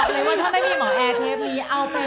บอกเลยว่าถ้าไม่มีหมอแอร์เทปนี้